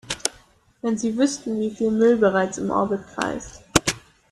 Wenn Sie wüssten, wie viel Müll bereits im Orbit kreist!